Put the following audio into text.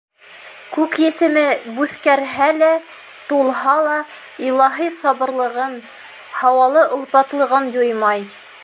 Күк есеме бүҫкәрһә лә, тулһа ла илаһи сабырлығын, һауалы олпатлылығын юймай.